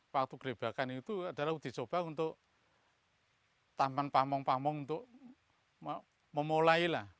waktu gelibakan itu adalah dicoba untuk taman pamung pamung untuk memulailah